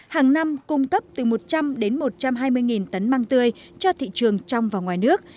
hàng năm cung cấp từ một trăm linh đến một trăm hai mươi tấn măng tươi cho thị trường trong và ngoài nước